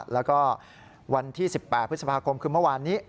แล้วก็วันที่๑๘พฤษภาคมคือเมื่อวานนี้